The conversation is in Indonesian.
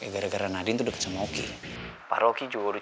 waalaikumsalam mr fuad